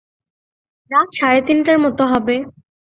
রাত সাড়ে তিনটার মতো হবে।